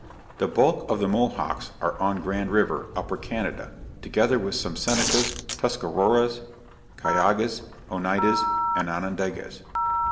The bulk of the Mohawks are on Grand River, Upper Canada, together with some Senecas, Tuscaroras, Cayugas, Oneidas, and Onondagas.